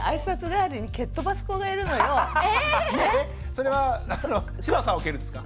それは柴田さんを蹴るんですか？